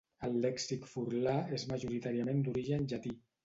El lèxic furlà és majoritàriament d'origen llatí.